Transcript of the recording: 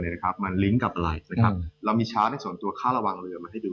ใช่ครับเรามีชาร์จส่วนตัวค่าระวังเรือมาให้ดู